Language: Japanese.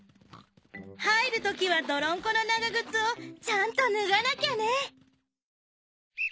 入るときは泥んこの長靴をちゃんと脱がなきゃね